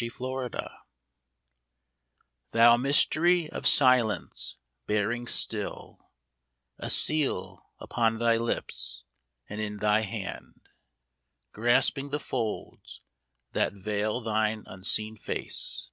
50 Silence T HOU Mystery of Silence, bearing still A seal upon thy lips, and in thy hand Grasping the folds that veil thine unseen face